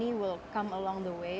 ketika kamu melakukan semua itu